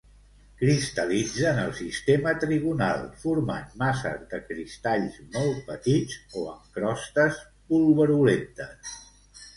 Cristal·litza en el sistema trigonal, formant masses de cristalls molt petits, o en crostes pulverulentes.